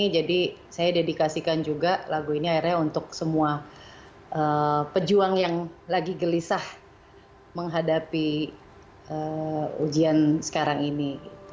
jadi saya dedikasikan juga lagu ini akhirnya untuk semua pejuang yang lagi gelisah menghadapi ujian sekarang ini